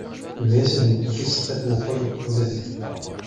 Yugi-yas i tmeṭṭut-is ad tmuqel ula deg ṭṭaq.